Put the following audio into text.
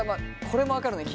これも分かるね